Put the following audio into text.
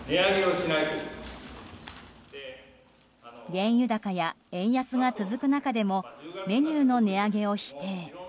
原油高や円安が続く中でもメニューの値上げを否定。